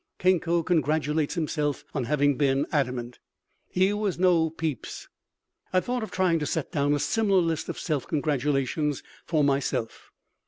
Kenko congratulates himself on having been adamant. He was no Pepys. I thought of trying to set down a similar list of self congratulations for myself.